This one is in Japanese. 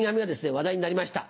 話題になりました。